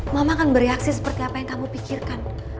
mama akan bereaksi seperti apa yang kamu pikirkan